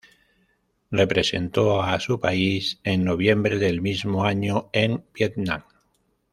Representó a su país en noviembre del mismo año en Vietnam.